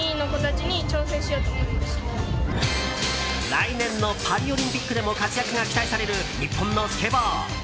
来年のパリオリンピックでも活躍が期待される日本のスケボー。